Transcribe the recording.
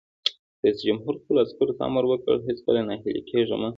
رئیس جمهور خپلو عسکرو ته امر وکړ؛ هیڅکله ناهیلي کیږئ مه!